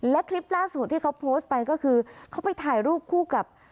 และคลิปล่าสุดที่เขาโพสต์ไปก็คือเขาไปถ่ายรูปคู่กับ